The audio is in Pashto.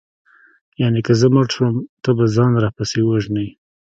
یانې که زه مړه شوم ته به ځان راپسې ووژنې